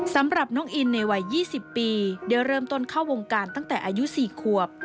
สำหรับน้องอินในวัย๒๐ปีได้เริ่มต้นเข้าวงการตั้งแต่อายุ๔ขวบ